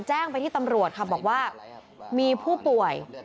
แจ้งไปที่ตำรวจค่ะบอกว่ามีผู้ป่วย